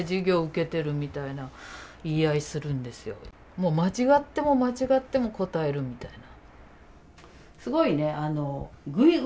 もう間違っても間違っても答えるみたいな。